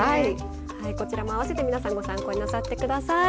こちらもあわせて皆さんご参考になさって下さい。